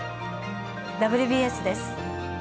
「ＷＢＳ」です。